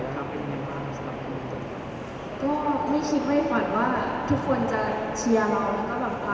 อยากจะให้พูดถึงคะแนนหัวจากทั่วโลกที่สมมติธรรมดาคือ๑๓๐ภาพเป็นยังไงบ้างสำหรับคุณค่ะ